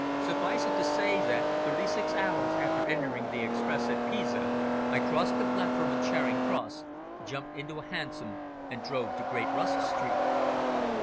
Suffice it to say that thirty six hours after entering the express at Pisa, I crossed the platform at Charing Cross, jumped into a hansom and drove to Great Russell Street.